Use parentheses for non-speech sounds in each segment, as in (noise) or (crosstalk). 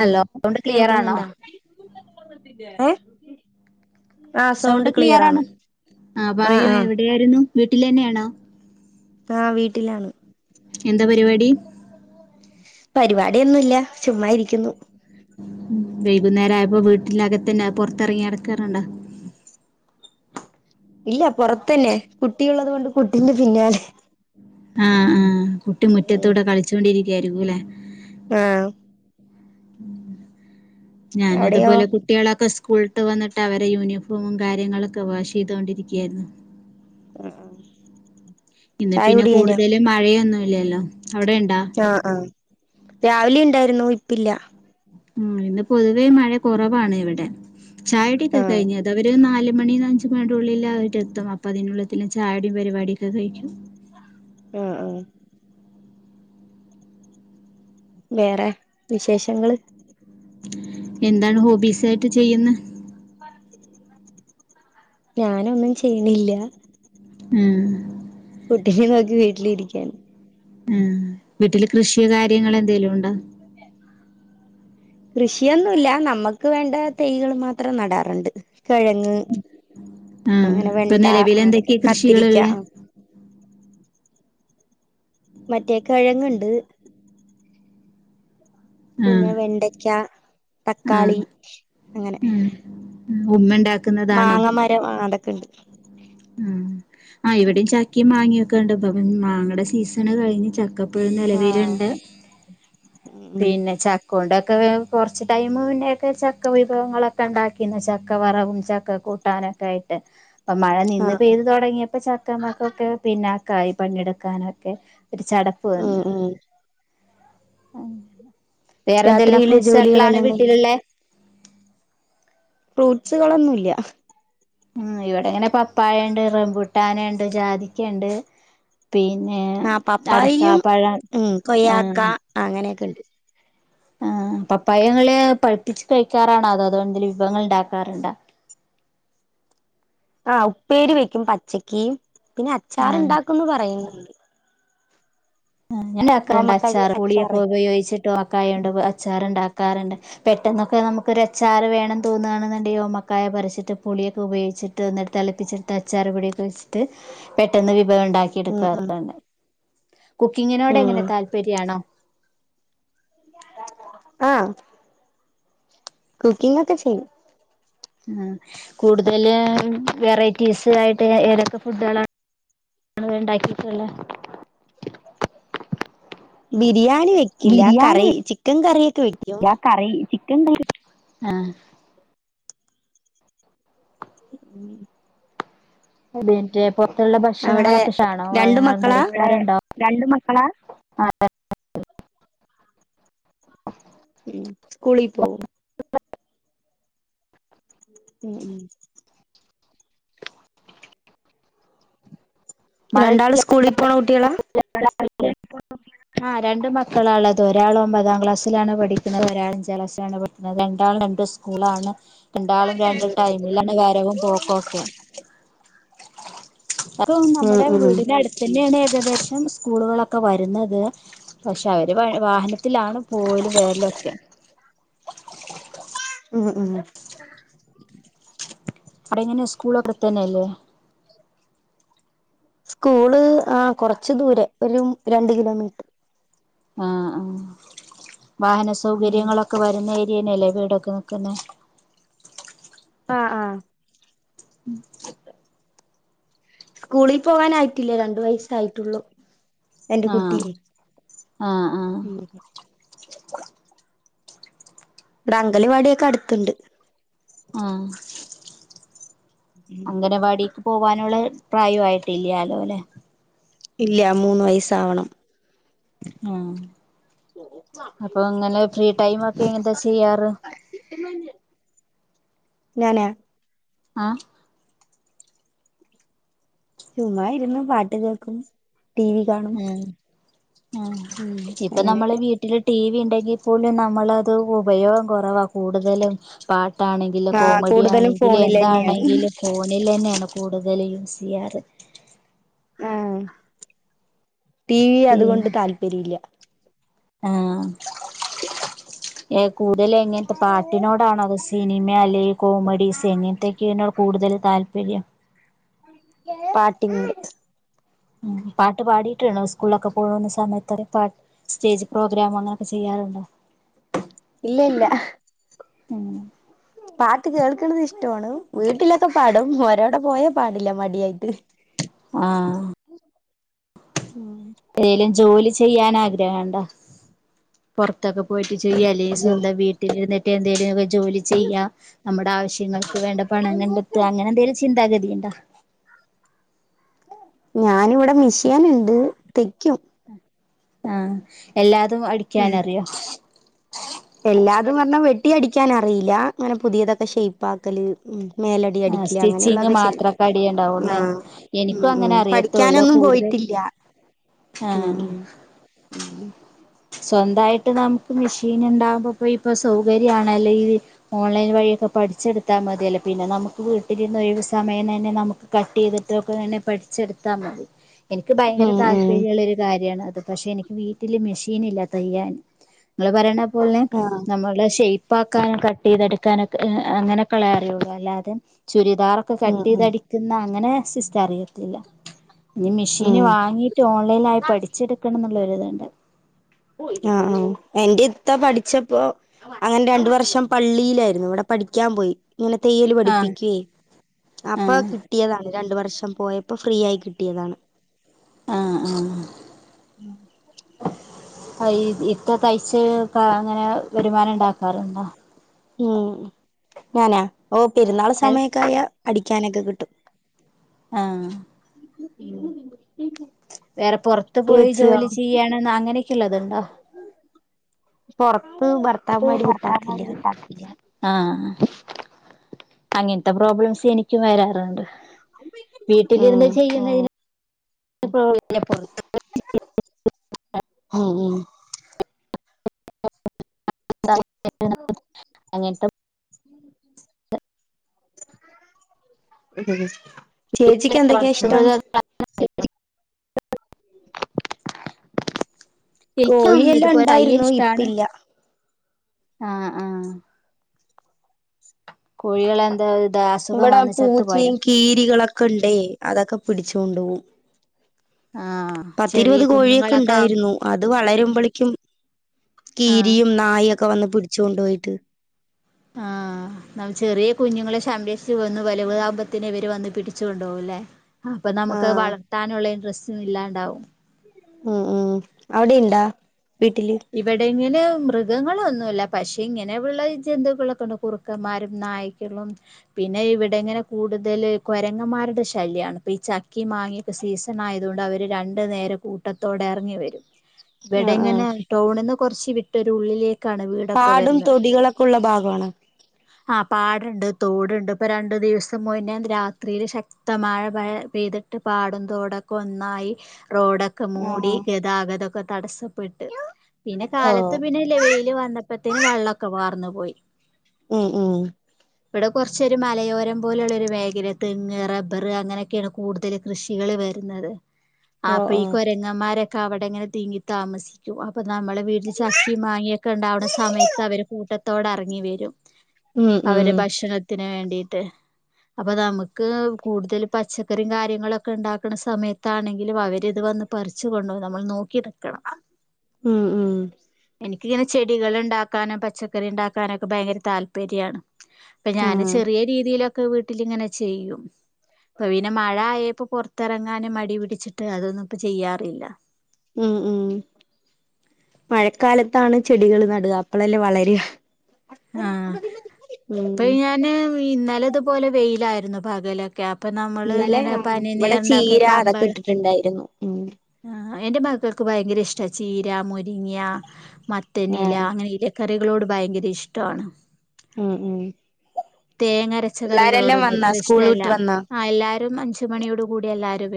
Hello sound clear ആണോ കേൾക്കുന്നുണ്ടാ? ഏ ആ സൗണ്ട് ക്ലിയർ ആണ് ക്ലിയറാണ്. ആ പറയൂ എവിടെയായിരുന്നു വീട്ടിൽ തന്നെയാണോ? ആഹ വീട്ടിലാണ്. എന്താ പരിപാടി? പരിപാടിയൊന്നുല്ല ചുമ്മാ ഇരിക്കുന്നു. വൈകുന്നേരം ആയപ്പോ വീട്ടിലകത്തന്നെ പൊറത്തിറങ്ങി നടക്കാറുണ്ടോ? ഇല്ല പൊറത്തന്നെ കുട്ടിയുള്ളതൊണ്ട് കുട്ടിന്റെ പിന്നാലെ ആഹ് ആഹ് കുട്ടി മുറ്റത്തൂടെ കളിച്ചൊണ്ടിരിക്കായിരിക്കൂ അല്ലേ ആഹ അവിടെയോ ഞാനതുപോലെ കുട്ടികളൊക്കെ സ്‌ കൂൾട്ട് വന്നിട്ട് അവരെ യൂണിഫോമും കാര്യങ്ങളൊക്കെ വാഷ് ചെയ്തുകൊണ്ടിരിക്കുകയായിരു ന്നു. ആഹ ആഹ ഇന്ന് പിന്നെ കൂടുതലും മഴയൊന്നുല്ലല്ലോ ആഹ് ആഹ രാവിലെ ഉണ്ടായിരുന്നു ഇപ്പില്ല മ്മ്. ഇന്ന് പൊതുവേ മഴ കുറവാണ് ഇവിടെ. ചായടൊടിക്കെ ആ കഴിഞ്ഞ അത് അവര് നാ ഒരു മണി അഞ്ച് മണിയ ഉള്ളില് അവര് എത്തും. അപ്പൊ അതിനുള്ളിൽ ചായോടിയും പരിപാടി ഒക്കെ കഴിക്കും. ആഹ ആ വേറെ വിശേഷങ്ങള് സെറ്റ് ചെയ്യുന്നു ഞാനൊന്നും ചെയ്യണില്ല. ഉം കുട്ടിയെ നോക്കി വീട്ടിലിരിക്കന് ഉം വീട്ടില് കൃഷി കാര്യങ്ങൾ എന്തെലും ഉണ്ടോ? കൃഷിയൊന്നുവില്ല. നമ്മക്ക് വേണ്ട തൈകൾ മാത്രം നടാറുണ്ട് കിഴങ്ങ് ആ അങ്ങനെ ഇപ്പൊ വെണ്ട നിലവിൽ ആ അതൊക്കെ എന്തൊക്കെയാ കത്തിരിക്ക കൃഷികളുള്ളെ ആ മറ്റേക്ക കെഴങ്ങുണ്ട് ആ പിന്നെ വെണ്ടക്ക ആ തക്കാളി അങ്ങനെ ആ ഉമ്മ ഉണ്ടാക്കുന്നതാണോ മാങ്ങ മരം അതൊക്കെണ്ട് ആ. ഇവിടെയും ചക്കയും മാങ്ങയൊക്കെണ്ട്. ഇപ്പൊ മാങ്ങയുടെ സീസൺ കഴിഞ്ഞ് ചക്ക ഇപ്പോഴും ആഹ് നിലവൽണ്ട് ഉം പിന്നെ ചക്കോണ്ട് ഒ കുറച്ച് ടൈമ പിന്നൊക്കെ ചക്ക വിഭവങ്ങളൊക്കെ ഉണ്ടാക്കിന്ന് ചക്ക വറവും ചക്ക കൂട്ടാനൊെ ആയിട്ട് അപ്പൊ മഴ നിന്ന് ആഹ് പെയ്തു തുടങ്ങിയപ്പോ ചക്കമാക്ക ഒക്കെ പിന്നെ കായ പണ്ിയെടുക്കാനൊക്കെ ഒരു ചടപ്പ് വന്ന് ഉം ഉം അ വേറെ എന്തെല്ലാം രാത്രിയിലെ ഫ്രൂട്ട്സ്ല്ലാംണ് ജോലികളെല്ലാം കഴിഞ്ഞോ വീട്ടിലുള്ള ഫ്രൂട്ട്സുകളൊന്നുംല്ല ഉം ഇവിടെ ഇങ്ങനെ പപ്പായുണ്ട് റബുട്ടാനുണ്ട് ജാതിക്കുണ്ട് പിന്നെ ആഹ് പപ്പായയും അടക്കാപ്പഴം ഉം ആഹ അ പ പഴങ്ങള് പഠിപ്പിച്ച് കഴിക്കാറാണോ അതോ അതുകോണ്ടെങ്കലും വിഭവങ്ങൾ ഉണ്ടാക്കാറുണ്ടാ (unintelligible) ആ ഉപ്പേരി വെക്കും പച്ചക്കും പിന്നെ ആഹ് അച്ചാറുണ്ടാക്കുംന്ന് പറയുന്നു ആ്ഞാക്കക്കറുണ്ട് ഓമക്കായ അച്ചാർ പ പുളിയൊക്കെ അച്ചാറ് ഉപയോഗിച്ചിട്ടും അക്കായണ്ട് അച്ചാറണ്ടാക്ക വക്കാറുണ്ട് പെട്ടെന്നൊക്കെ നമുക്ക് ഒരു എച്ചാ ആറ് വേണംന്ന് തോന്നുകാണ് ഓ മക്കായിട്ട് പുിയൊക്കെ ഉയോഗിട്ട് തിച്ചൊെ പെ വിഭ ഉണ്ടാക്കി ഉം ഉം എടുക്കാറന്നെ കുക്കിങ്ങിനോട് ഉം എങ്ങനെ താല്പര്യ ആണോ ആഹ കുക്കിംഗ് ഒക്കെ ചെയ്യും ആ കൂടുതല് വെറൈറ്റീസ് ആയിട്ട് ഏതൊക്കെ ഫുഡകളാണ് ആണ് വേണ്ടാക്കിട്ടുള്ളേ (unintelligible) ബിരിയാണി വെക്കില്ല ബിരിയാണി കറി ചിക്കൻ കറൊക്കെ വെക്കും ആഹ ഉം അ പുൊറത്തുള്ള അവിടെ ഭക്ഷണങ്ങളൊക്കെ ക്ഷണ കാര് രണ്ട് മക്കളാ ഉണ്ടുംക്കാണ്ടാവും രണ്ട് മക്കളാ ആ ഉം സ്കൂളി പോകവും ഉ ഉ രണ്ടാള് സ്കൂളിൽ പോണ കുട്ടികളാ അ (unintelligible) ആഹ രണ്ട് മക്കളാള്ളത് ഒരാൾ ഒമ്പതാം ക്ലാസ്സിലാണ് പഠിക്കുന്നത് ഒരാൾ അഞ്ചാം ക്ലാസ്സിലാണ് പഠി ക്കുന്നത് രണ്ടാം രണ്ട് സ്കൂളാണ് രണ്ടാളും രണ്ട് ടൈമിലാണ് വരലും പോക്കോക്കെ അപ്പൊ ഉം നമ്മുടെ ഉം വീടിന്റെ അടുത്തെന്നെയാണ് ഉച്ചക്കേഷം സ്കൂള്കളൊക്കെ വരുന്നത് പക്ഷെ അവര് ട്ടിലാണ് പോലും വെര്ലൊക്കെ ഉം ഉം അവിടെ എങ്ങനെ സ്കൂളൊക്കത്തന്നെല്ലേ സ്കൂള് ആ കൊറച്ച് ദൂരെ ഒരു രണ്ട് കിലോമീറ്റർ ആ ആ വാഹന ഉം സൗകര്യങ്ങളൊക്കെ വരുന്ന ജീനല്ലേ വീടൊക്കെ ന്ക്ക്ന്നേ ആഹ ആഹ ഉം സ്കൂളിൽ പോകാനായിട്ടില്ലേ രണ്ടു വയസായിട്ടുള്ളൂ എന്റെ കുട്ടി ആഹ ഉ (unintelligible) ഇവിടെ അംഗലവാടിയൊക്കെ അടുത്ത്ണ്ട് ആഹ അംഗനവാടിക്ക് പോവാനുള്ള പ്രായയിട്ട് കട്ടല്ലാലോ അല്ലെ ഇല്ല മൂന്ന് വയസ്സാവണം ആ അപ്പൊ ഇങ്ങനെ ഫ്രീ ടൈമൊക്കെ എന്താ ചെയ്യാറ് ഞാനാ ആഹ ചുമ്മ ഇരുന്നു പാട്ട് കേൾക്കും ടി വി കാണും ആ ഉം ഇപ്പൊ നമ്മള് അങ്ങനെയൊക്കെ വീട്ടില് ടി വി ഉ ങ്കിൽ പോലും നമ്മളത് ഉപയോഗം കുറവാ കൂടുതലും അതാണെങ്കിൽ ആഹ് കോമഡി കൂടുതലും ആണെങ്കിൽ ഫോണിലെന്നെയാണ് എന്താണെങ്കിൽ ഈലെന്നെയാണ് കൂടുതൽ യൂസ് ചെയ്യാറ് ആഹ ടി വി അതുകൊണ്ട് താല്പര്യ ഇല്ല ആഹ ഏ കൂ കൂടുതല എങ്ങനത്തെ പാട്ടിനോടാണോ അത് സിനിമ അല്ലെങ്കിൽ കോമഡീസ് എങ്ങനത്തെെയൊക്കെയോട് കൂടുതൽ താല്പര്യം ശരി പാട്ടിങ്ങ (inaudible) ഉ പാട്ടു പാടി സ്കൂളൊക്കെ പോകുന്ന സമയത്ത് പാട്ട് സ്റ്റേജ് പ്രോഗ്രാം അങ്ങനെയൊക്കെ ചെയ്യാറുണ്ടോ ഇല്ല ഇല്ല ഹ് ഉം പാട്ട് കേൾക്കണുന്നത് ഇഷ്ടമാണ് വീട്ടിലൊക്കെ പാടും ഓരേടോ പോയാ പാടില്ല മടിയായിട്ട് ആഹ ഏതേലും ജോലി ചെയ്യാൻ ആഗ്രഹണ്ടോ പൊറത്തൊക്കെ പോയിട്ട് ചെയ്യാലേ സ്വന്തം വീട്ടിൽ മ എന്തേലും ജോലി ചെയ്യ നമ്മുടെ ആവശ്യങ്ങൾക്ക് വേണ്ട പണം കണ്ടെത്തുക അങ്ങനെ എന്തെങ്കലും ചിന്താഗതി അണ്ടാ ഞാനിവിടെ മിഷ്യനുണ്ട് തൈക്കും ആഹ എല്ലാതും ഉം അടിക്കാനറിയോ എല്ലാതും പറഞ്ഞാൽ വെട്ടിയ ടിക്കാനറിയില്ല അങ്ങനെ പുതിയതൊക്കെ ഷേപ് ആക്കല് ഉ മേലഡി ആഹ് അടിക്കില്ല സ്റ്റിച്ചിങ് അങ്ങനെയുള്ളൊക്കെ ചെയ്യും മാത്രൊക്കെ ആ അടിയുണ്ടാവുള്ളേ ഉം എനിക്കും ഉ അങ്ങനെ അറിയത്തുള്ളൂ പഠിക്കാനൊന്നും കൂടുതൽ പോയിട്ടില്ല ഉം ആഹ് ഉ ഉ സ്വന്തായിട്ട് നമുക്ക് മെഷീൻ ഉണ്ടാകുമ്പോ ഇപ്പൊ സൗകര്യാണല്ലോ ഈ ഓൺലൈൻ വഴിയൊക്കെ പഠിച്ചെടുത്താൽ മതിയല്ലേ. പിന്നെ നമ്മുക്ക് വീട്ടിലിരുന്ന് ഒഴിവ് സമയം തന്നെ നമുക്ക് കട്ട് ചെയ്തിട്ടൊക്കെ വേണേ പഠിച്ച് എടുത്താ മതി. എനിക്ക് ഭയങ്കര ഉം ഉം താല്‌പര്യള്ള ഒരു കാര്യാണത്. പക്ഷെ എനിക്ക് വീട്ടില് മെഷീ (unintelligible) (unintelligible) നിങ്ങൾ പറയണ പോലെ ആഹ് നമ്മള് ഷെയ് പ്പാക്കാനും കട്ട് ചെയ്തെടുക്കാനൊക്കെ അങ്ങനെക്കെ അറിയുള്ളൂ അല്ലാതെ ചുരിദാറൊക്കെ ഉം കട്ട് ഉം ചെയ്തടിക്കുന്ന അങ്ങനെ സിസ്റ്റം അറിയത്തില്ല. ഇഞ് മിഷീന് ഉം വാങ്ങീട്ട് ഓൺലൈനായി പഠിച്ചെടുക്കണം എന്നുള്ള ഒരിദുണ്ട് എന്റെ ഇത്ത പഠിച്ചപ്പോ അങ്ങനെ രണ്ട് വർഷം പള്ളിയിലായിരുന്നു. ഇവിടെ പഠിക്കാൻ പോയി. ഇങ്ങനെ തയ്യല് ആഹ് പഠിപ്പിക്കേ. അപ്പൊ ആഹ് കിട്ടിയതാണ്. രണ്ട് വർഷം പോയപ്പം ഫ്രീ ആയി കിട്ടിയതാണ്. ആഹ് തയ് ഇത്ര തയ്ച്ച് അങ്ങനെ വരുമാനം ഉണ്ടാക്കാറുണ്ടോ? ഉം. ഞാനാ, ഓ! പെരുന്നാൾ അൽ സമയോക്കെ ആയാ അടിക്കാനൊക്കെ കിട്ടും. ആ (unintelligible) വേറെ പൊറത്ത് പോയി ചേച്ചിയോ ജോലി ചെയാണെന്ന് അങ്ങനെയൊക്കെയു ള്ളതുണ്ടോ? (unintelligible) ഓ (unintelligible) ഭർത്താക്കന്മാര് വിട്ടാക്കില്ല (unintelligible) ആ അങ്ങനത്തെ പ്രോബ്ലംസ് എനിക്കും വരാറുണ്ട്. വീട്ടിലിരുന്ന് ഉം ചെയ്യുന്ന (unintelligible) (unintelligible) ഉം ഉം (unintelligible) (unintelligible) (unintelligible) ചേച്ചിക്ക് എന്തൊക്കെയാ ഇഷ്ടം? (inaudible) എനിയ്ക്കും കോഴിയെല്ലാം ഇതുപോലെ തയ്യ ഉണ്ടായിരുന്നു ഇഷ്ടാണ്. ഇപ്പില്ല കോഴികളെന്താ (unintelligible) ഇവിടെ വന്ന് ചത്തുപോയോ പൂച്ചയും കീരികളൊക്കെ ഒണ്ടേ. അതൊക്കെ പിടിച്ചു കൊണ്ട് പോവും. ആഹ് ചെറിയ പത്തിരുപത് കോഴിയൊക്കെ കുഞ്ഞുങ്ങളൊക്കെ ഒണ്ടായിരുന്നു. അത് വളരുമ്പളേയ്ക്കും ആഹ് കീരിയും നായൊക്കെ വന്ന് പിടിച്ചു കൊണ്ടുപോയിട്ട് ആ (unintelligible) ചെറിയ കുഞ്ഞുങ്ങളെ സംരക്ഷ (unintelligible) വലുതാമ്പത്തിന് ഇവര് വന്ന് പിടിച്ചു കൊണ്ടുപോകുല്ലേ. അപ്പൊ നമുക്കത് ആഹ് വളർത്താനുള്ള ഇന്ട്രെസ്റ്റ് ഇല്ലാണ്ടാവും. ഉം ഉം അവിടെയുണ്ടാ? ഇവിടിങ്ങനെ മൃഗങ്ങളൊന്നുമില്ല. പക്ഷെ, ഇങ്ങനെ ഉള്ള ജന്തുക്കളൊക്കെ ഉണ്ട്. കുറുക്കന്മാരും നായ്ക്കളും പിന്നെ പിന്നെ ഇവിടെ ഇങ്ങനെ കൂടുതൽ കൊരങ്ങമാരുടെ ശല്യമാണ് ഇപ്പൊ ഈ ച ചക്കിം മാങ്ങേടെ സീസൺ ആയതുകൊണ്ട് അവര് രണ്ടു നേരം കൂട്ടത്തോടെ എറങ്ങി വരും ഇവിടെ ആഹ് ആഹ് ഇങ്ങനെ ടൗണിന്ന് കുറച്ച് വിട്ടൊരു ഉള്ളിലേക്ക് കാടും തൊടികളൊക്കെ ഉള്ള ഭാഗാണ് ആ പാടണ്ട്, തോടുണ്ട്. ഇപ്പൊ രണ്ടു ദിവസം മുന്നെ രാത്രിയില് ശക്തമായ മഴ യ്തിട്ട് പാടോം തോടൊക്കെ ഒന്നായി റോഡൊക്കെ മൂടി, ആഹ് ഗതാഗതൊക്കെ തടസപ്പെ പിന്നെ കാലത്ത് ഓഹ് പിന്നെ ലെവയില് വന്നപ്പത്തേന് വള്ളൊക്കെ വാർന്നു പോയി. ഉം ഉം ഇവിടെ കൊറച്ച് ഒരു മലയോരം പോലുള്ള ഒരു മേഖല. തെങ്ങ്, റബ്ബർ അങ്ങനൊക്കെയാണ് കൂടുതൽ കൃഷികള് (unintelligible) ഓഹ് അപ്പൊ ഈ ഓഹ് കൊരങ്ങമ്മാരൊക്കെ അവിടങ്ങനെ തിങ്ങി താമസിക്കും. അവർ നമ്മളെ വീട്ടില് ചക്കയും മാങ്ങയൊക്കെ ഉണ്ടാവണ സമയത്ത് അവര് കൂട്ടത്തോടെ എറങ്ങി വരും. ഉം ഉം അവരെ ഭക്ഷണത്തിന് വേണ്ടിട്ട് അപ്പൊ നമ്മുക്ക് കൂടുതൽ പച്ചക്കറി കാര്യങ്ങളൊക്കെ ഉണ്ടാക്കണ സമയത്താണെങ്കിലും അവരിത് വ അത് പറിച്ചുകൊണ്ടോവും. നമ്മള് നോക്കി നിക്കണം ഉം ഉം. എനിക്കിങ്ങനെ ചെടികൾ ഉണ്ടാക്കാനും പച്ചക്കറി ഉണ്ടാക്കാനുമൊക്കെ ഭയങ്കര താല്പര്യാണ്. അപ്പൊ ഞാന് ആഹ് ചെറിയ രീതിയിലൊക്കെ വീട്ടിലിങ്ങനെ ചെയ്യും അപ്പൊ പിന്നെ മഴ ആയപ്പോ പുൊറത്തിറങ്ങാനെ മടി പിടിച്ചിട്ട് അതൊന്നും ഇപ്പ ചെയ്യാറില്ല ഉ ഉ മഴക്കാലത്താണ് ചെടികൾ നടുക അപ്പളല്ലേ വളരെ ആഹ അപ്പ ഞാന് ഇന്നലെ ഇതുപോലെ വെയിലായിരുന്നു പകല ക്കെ അപ്പൊ നമ്മള് ഇന്നലെ ഇങ്ങനെ ആഹ് പന ഇവിടെ നീർണ്ടാക്കെ ചീര കമ്പ അതൊക്കെ ഇട്ടിട്ടുണ്ടായിരുന്നു ഉം ആ എന്റെ മക്കൾക്ക് ഭയങ്കര ഇഷ്ട ചീരാമൂ രിങ്ങ മത്തനില ആഹ് അങ്ങനെ ഇരക്കറികളോട് ഭയങ്കര ഇഷ്ടമാണ് ഉം ഉം തേങ്ങ പിള്ളേരെല്ലാം അരച്ചക്കറികളോടൊന്നും വന്നാ അത്ര സ്കൂൾ ഇഷ്ടമല്ല വിട്ട് വന്നാ ആ എല്ലാവാരും അഞ്ചു മണിയോട കൂടി എല്ലാവരും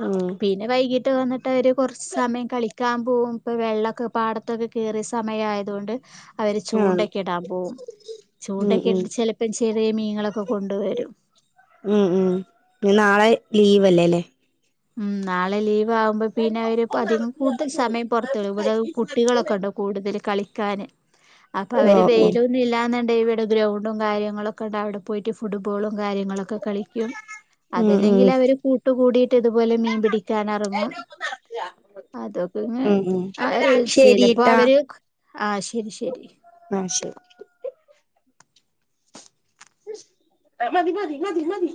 ഉം പിന്നെ വൈകിട്ട് വന്നിട്ട് അവര് കൊറച്ച് സമയം കളിക്ക ക്ൻമ്പ പോകും ഇപ്പൊ വെള്ളൊക്കെ പാടത്തൊക്കെ കേയറിയ സമയയതുകൊണ്ട് അവര് ആഹ് ചൂണ്ടൊക്കെ ഇടാൻ പോകും ഉം ചൂണ്ടൊക്കെ ഉം ഇട്ടട്ട് ചിലപ്പം ചെയ അത്രയും മീങ്ങളൊക്കെ കൊണ്ടുവരും ഉം ഉം ന നാളെ ലീവ്ല്ലേല്ലേ ഉം നാളെല്ല ആകുമ്പോ പിന്നെ അവര് അധികം കൂടുതൽ സമയം പുറത്തുള്ളും ഇവിടെ കുട്ടികളൊക്കെ ഉണ്ടോ കൂടുതൽ കളി അപ്പൊ ഓ അവര് ഓ വെയിലൊന്നും ഇല്ലാന്ന ഇ ഇവിടെ ഗ്രൗണ്ടും കാര്യങ്ങളൊക്കെ ഉണ്ട് അവിടെ പോയിട്ട് ഫുട്ബ ഫബോളും കാര്യങ്ങളൊക്കെ കളിക്കും ഉം ഉം അതല്ലെങ്കിൽ അവർ കൂട്ട കൂടി മറ്റ ഇതുപോലെ മീൻ പിടിക്കൻ ഇറങ്ങും അതൊക്കെ ഇങ് ഉം ഉം ചിലപ്പോ ശരിട്ടാ അവര് ആഹ ശരി ശരി ആഹ ശരി മതി മതി മതി മതി